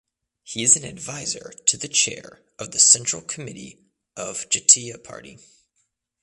He is an Advisor to the chair of the Central Committee of Jatiya Party.